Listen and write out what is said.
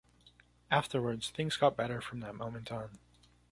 Afterwards, things got better from that moment on.